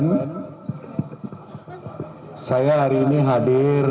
relasi kita lah ng inhibite